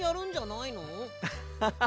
アッハハ。